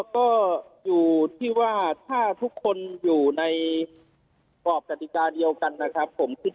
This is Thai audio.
ก็อยู่ที่ว่าถ้าทุกคนอยู่ในกรอบกฎิกาเดียวกันนะครับผม